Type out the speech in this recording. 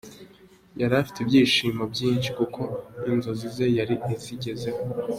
Yari afite ibyishimo byinshi kuko inzozi ze yari azigezeho.